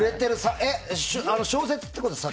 小説ってことですか。